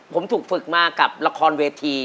ผมถูกฝึกมากับละครเวที